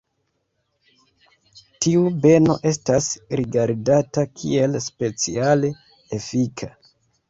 Tiu beno estas rigardata kiel speciale efika.